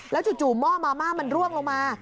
จู่หม้อมาม่ามันร่วงลงมา